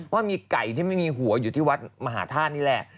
ว่ามีไก่ที่ไม่มีหัวอยู่ที่วัดมหาธาตุนี่แหละ